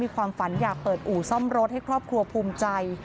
ความฝันอยากเปิดอู่ซ่อมรถให้ครอบครัวภูมิใจ